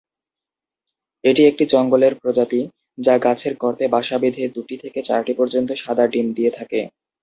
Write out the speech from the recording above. এটি একটি জঙ্গলের প্রজাতি, যা গাছের গর্তে বাসা বেঁধে দু'টি থেকে চারটি পর্যন্ত সাদা ডিম দিয়ে থাকে।